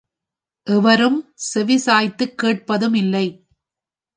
எவரும் செவிசாய்த்துக் கேட்பதும் இல்லை.